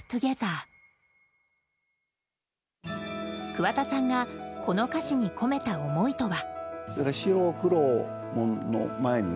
桑田さんがこの歌詞に込めた思いとは？